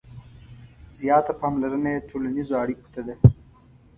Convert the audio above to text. • زیاته پاملرنه یې ټولنیزو اړیکو ته ده.